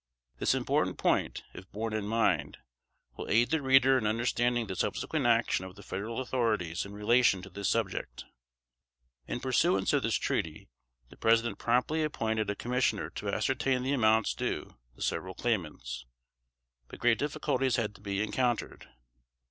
This important point, if borne in mind, will aid the reader in understanding the subsequent action of the Federal authorities in relation to this subject. [Sidenote: 1822.] In pursuance of this treaty, the President promptly appointed a commissioner to ascertain the amounts due the several claimants. But great difficulties had to be encountered.